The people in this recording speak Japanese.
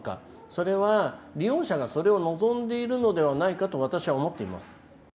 それは、利用者がそれを望んでいるのではないかと私は思っています。